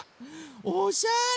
おしゃれ。